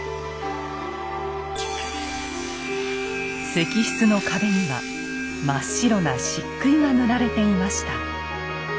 石室の壁には真っ白な漆喰が塗られていました。